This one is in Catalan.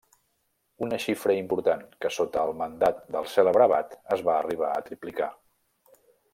Una xifra important, que sota el mandat del cèlebre abat es va arribar a triplicar.